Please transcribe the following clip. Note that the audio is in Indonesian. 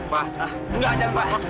pa enggak aja pa